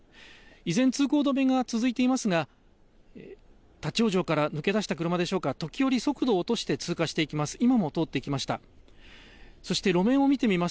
依然、通行止めが続いていますが、立往生から抜け出した車でしょうか、時折、速度を落として通過していきます。